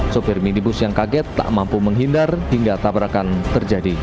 sopir minibus yang kaget tak mampu menghindar hingga tabrakan terjadi